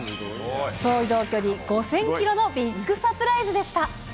総移動距離５０００キロのビッグサプライズでした。